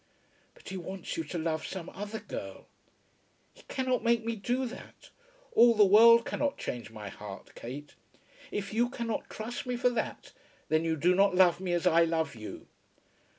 "But he wants you to love some other girl." "He cannot make me do that. All the world cannot change my heart, Kate. If you can not trust me for that, then you do not love me as I love you."